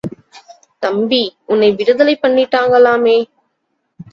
தம்பி, உன்னை விடுதலை பண்ணிட்டாங்களாமே?